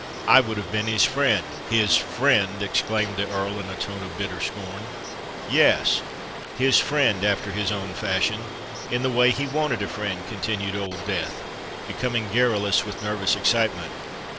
I would have been his friend——" "His friend!" exclaimed the Earl, in a tone of bitter scorn. "Yes—his friend, after his own fashion—in the way he wanted a friend!" continued Old Death, becoming garrulous with nervous excitement.